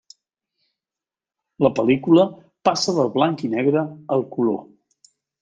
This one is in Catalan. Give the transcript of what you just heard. La pel·lícula passa del blanc i negre al color.